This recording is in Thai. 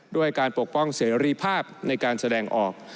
ด้วยการปกป้องเสรีภาพในการแสดงออก